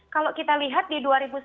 kalau kita lihat di dua ribu sembilan belas